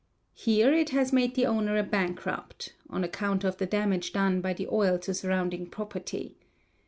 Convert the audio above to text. Here it has made the owner a bankrupt (on account of the damage done by the oil to surrounding property).